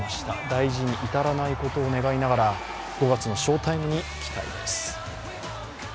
大事に至らないことを願いながら５月の翔タイムに期待です。